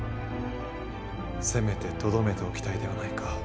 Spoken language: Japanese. せめてとどめておきたいではないか。